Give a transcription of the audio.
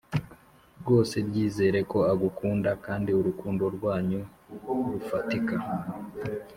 rwose byizere ko agukunda kandi urukundo rwanyu rufatika.